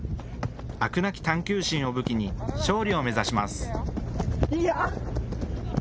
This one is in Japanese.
飽くなき探究心を武器に勝利を目指します。